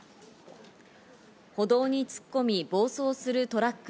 歩道に突っ込み、暴走するトラック。